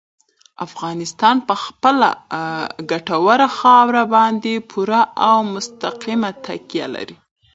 افغانستان په خپله ګټوره خاوره باندې پوره او مستقیمه تکیه لري.